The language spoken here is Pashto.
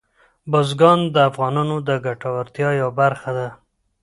بزګان د افغانانو د ګټورتیا یوه برخه ده.